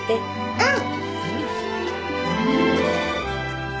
うん。